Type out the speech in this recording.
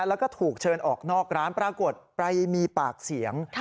แล้วก็ถูกเชิญออกนอกร้านปรากฏไปมีปากเสียง